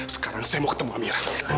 sekarang saya mau ketemu amirah